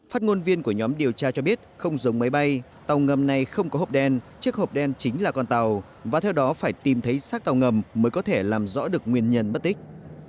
phát ngôn viên của nhóm điều tra cho biết không giống máy bay tàu ngầm này không có hộp đen chiếc hộp đen chính là con tàu và theo đó phải tìm thấy sát tàu ngầm mới có thể làm rõ được nguyên nhân bất tích